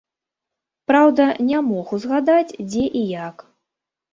Праўда не мог узгадаць дзе і як.